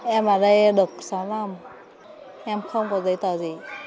em vào đây được sáu năm em không có giấy tờ gì